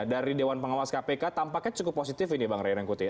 dari dewan pengawas kpk tampaknya cukup positif ini bang ray rangkuti